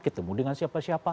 ketemu dengan siapa siapa